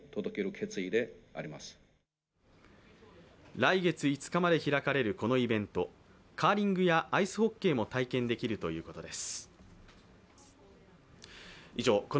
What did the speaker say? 来月５日まで開かれるこのイベント、カーリングやアイスホッケーも体験できるということです。